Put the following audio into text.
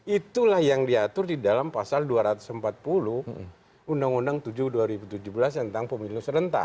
itulah yang diatur di dalam pasal dua ratus empat puluh undang undang tujuh dua ribu tujuh belas tentang pemilu serentak